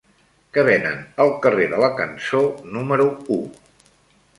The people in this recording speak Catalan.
Què venen al carrer de la Cançó número u?